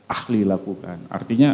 ahli lakukan artinya